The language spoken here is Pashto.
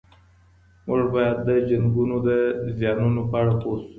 موږ باید د جنګونو د زیانونو په اړه پوه سو.